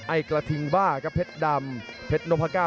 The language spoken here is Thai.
ไอกระทิงบ้าครับเผ็ดดำเผ็ดโนภาก้าว